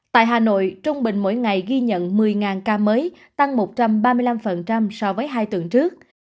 tại hà nội trung bình mỗi ngày ghi nhận một mươi ca mới tăng một trăm ba mươi năm so với hai tuần trước